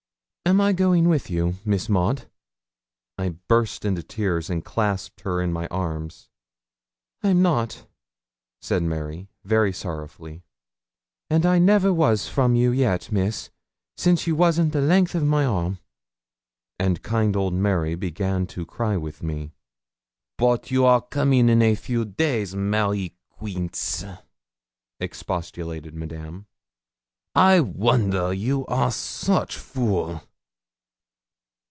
'Am I going with you, Miss Maud?' I burst into tears and clasped her in my arms. 'I'm not,' said Mary, very sorrowfully; 'and I never was from you yet, Miss, since you wasn't the length of my arm.' And kind old Mary began to cry with me. 'Bote you are coming in a few days, Mary Quince,' expostulated Madame. 'I wonder you are soche fool.